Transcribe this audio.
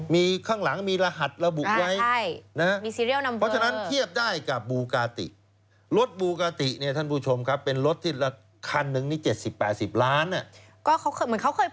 เหมือนเขาเคยเปรียบเทียบกันก็ถือว่าเร็วแบบที่สุดในโลก